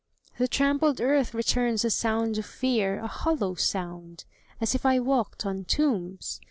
The trampled earth returns a sound of fear A hollow sound, as if I walked on tombs!